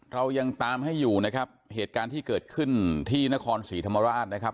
เรายังตามให้อยู่นะครับเหตุการณ์ที่เกิดขึ้นที่นครศรีธรรมราชนะครับ